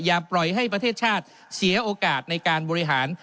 อย่าปล่อยให้ประเทศชาติเสียโอกาสในการบริหาร